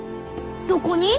どこに？